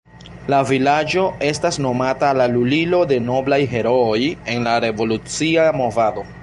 La vilaĝo estas nomata la lulilo de noblaj herooj en la revolucia movado.